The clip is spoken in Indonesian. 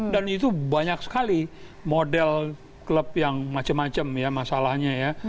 dan itu banyak sekali model klub yang macam macam ya masalahnya ya